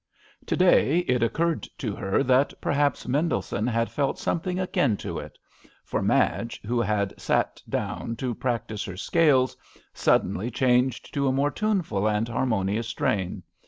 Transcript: To day it occurred to her that perhaps Mendelssohn had felt something akin to it. For Madge who had sat down to practise her scales suddenly changed to a more tuneful and harmonious strain.